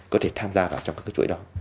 có thể tham gia vào trong các cái chuỗi đó